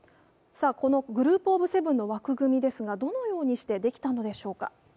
このＧｒｏｕｐｏｆ７の枠組みですが、どのようにしてできたのでしょうか。